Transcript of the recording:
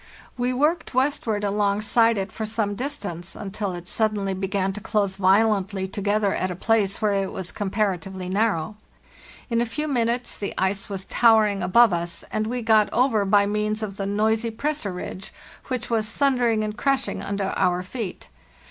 We worked westward alongside it for some distance, until it suddenly began to close violently together at a place where it was comparatively narrow. In a few minutes the ice was towering above us, and we got over by means of the noisy pressure ridge, which was thundering and crashing under our feet.